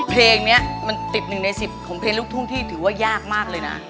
เพลงนี้มันติด๑ใน๑๐ของเพลงลูกทุ่งที่ถือว่ายากมากเลยนะ